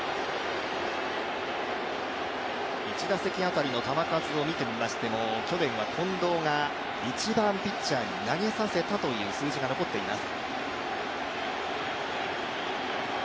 １打席当たりの球数を見てみましても去年は近藤が一番ピッチャーに投げさせたという数字が残っています。